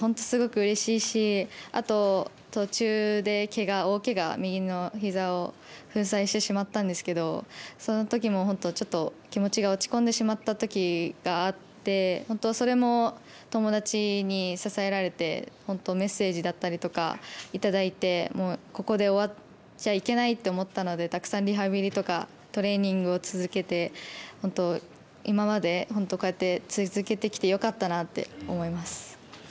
すごくうれしいしあと途中でけが、大けが右のひざを粉砕してしまったんですけどそのときも本当、ちょっと気持ちが落ち込んでしまったときがあって、それも友達に支えられて本当メッセージだったりとかいただいて、ここで終わっちゃいけないと思ったのでたくさんリハビリとかトレーニングを続けて本当、今までこうやって続けてきてよかったなって思います。